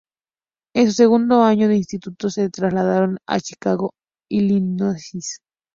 En su segundo año de instituto, se trasladaron a Chicago, Illinois.